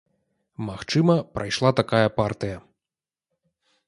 Магчыма, прайшла такая партыя.